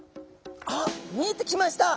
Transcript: あっ見えてきました。